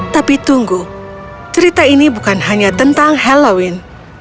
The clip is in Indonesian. tapi tunggu cerita ini bukan hanya tentang halloween